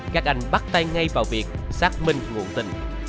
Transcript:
các anh bắt tay ngay vào việc xác minh nguồn tin